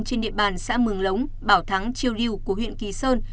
trên địa bàn xã mường lống bảo thắng triều lưu của huyện kỳ sơn